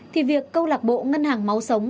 thì việc câu lạc bộ ngân hàng máu sống